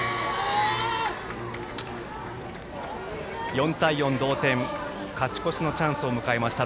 ４対４、同点勝ち越しのチャンスを迎えました